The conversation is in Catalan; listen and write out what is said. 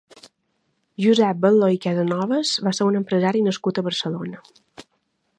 Josep Batlló i Casanovas va ser un empresari nascut a Barcelona.